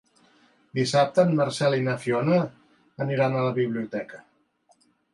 Dissabte en Marcel i na Fiona aniran a la biblioteca.